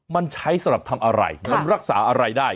มันใช้สำหรับทำอะไรมันรักษาอะไรได้